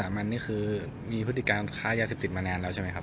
มันนี่คือมีพฤติการค้ายาเสพติดมานานแล้วใช่ไหมครับ